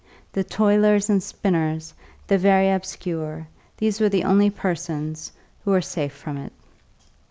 The toilers and spinners, the very obscure, these were the only persons who were safe from it.